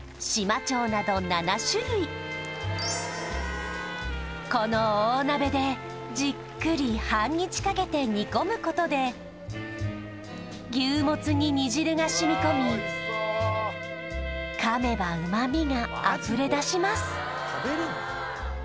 創業以来この大鍋でじっくり半日かけて煮込むことで牛もつに煮汁が染みこみかめば旨みがあふれ出します